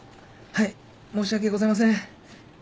はい申し訳ございません。